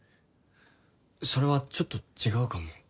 それはちょっと違うかも。